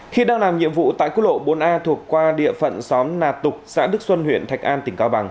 khi đang làm nhiệm vụ tại quốc lộ bốn a thuộc qua địa phận xóm nà tục xã đức xuân huyện thạch an tỉnh cao bằng